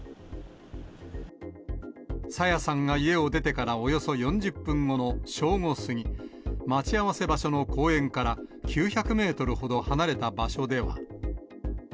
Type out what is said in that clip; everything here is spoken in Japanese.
朝芽さんが家を出てからおよそ４０分後の正午過ぎ、待ち合わせ場所の公園から９００メートルほど離れた場所では。